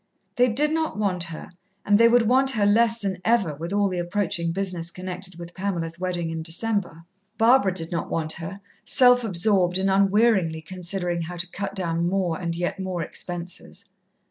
They did not want her, and they would want her less than ever, with all the approaching business connected with Pamela's wedding in December. Barbara did not want her, self absorbed, and unwearingly considering how to cut down more and yet more expenses.